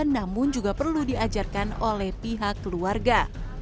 namun juga perlu diajarkan oleh pihak keluarga